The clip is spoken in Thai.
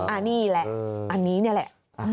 อันนี้แหละ